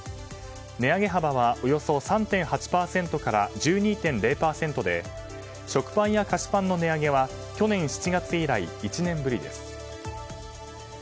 値上げ幅はおよそ３．８％から１２．０％で食パンや菓子パンの値上げは去年７月以来１年ぶりです。